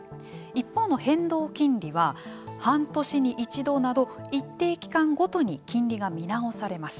一方の変動金利は半年に一度など一定期間ごとに金利が見直されます。